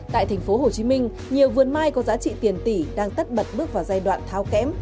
tại tp hcm nhiều vườn mai có giá trị tiền tỷ đang tất bật bước vào giai đoạn thao kém